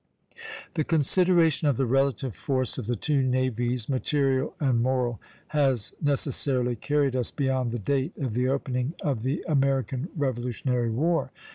The consideration of the relative force of the two navies, material and moral, has necessarily carried us beyond the date of the opening of the American Revolutionary War.